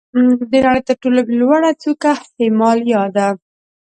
د نړۍ تر ټولو لوړه څوکه هیمالیا ده.